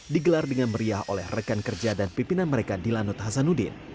digelar dengan meriah oleh rekan kerja dan pimpinan mereka di lanut hasanuddin